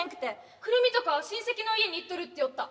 クルミとか親戚の家に行っとるっていよった。